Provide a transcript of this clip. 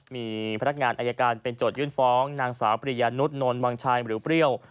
มีพนักงานอายการเป็นโจทยื่นฟ้องนางสาวปริยานุษนนวังชายหรือเปรี้ยว